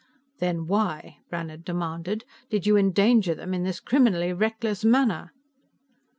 "Then why," Brannhard demanded, "did you endanger them in this criminally reckless manner?"